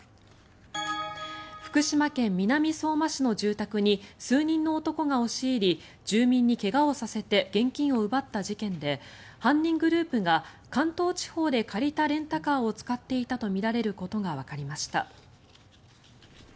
福島県南相馬市の住宅に数人の男が押し入り住民に怪我をさせて現金を奪った事件で犯人グループが関東地方で借りたレンタカーを使っていたとみられることがわかりました。